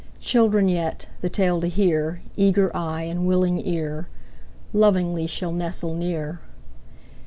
Children yet, the tale to hear, Eager eye and willing ear, Lovingly shall nestle near.